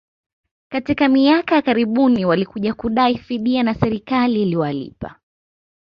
katika miaka ya karibuni walikuja kudai fidia na serikali iliwalipa